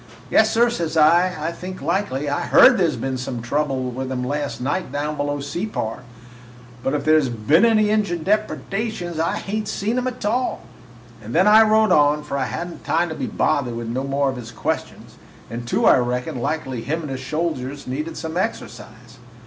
"'Yes, sir,' says I, 'I think likely. I heard there was some trouble with 'em last night down below Separ, but if there 's been any Injun depredations I hain't seen 'em a tall.' And then I rode on, for I had n't time to be bothered with no more of his questions, and, too, I reckoned likely him and his soldiers needed some exercise.